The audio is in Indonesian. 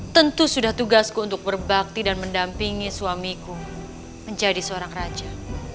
tentu sudah tugasku untuk berbakti dan mendampingi suamiku menjadi seorang raja